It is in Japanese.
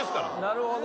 なるほど。